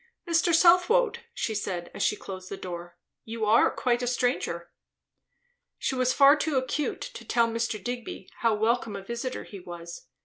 "Mr. Southwode!" she said as she closed the door. "You are quite a stranger." She was far too acute to tell Mr. Digby how welcome a visiter he was.